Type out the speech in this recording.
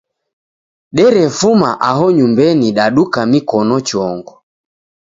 Derefuma aho nyumbenyi daduka mikon chongo.